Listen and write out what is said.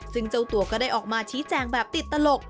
ซึ่งเจ้าตัวก็ได้ออกมาชี้แจงแบบติดตลก